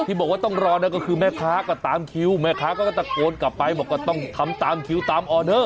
บอกว่าต้องรอนะก็คือแม่ค้าก็ตามคิวแม่ค้าก็ตะโกนกลับไปบอกก็ต้องทำตามคิวตามออเด้อ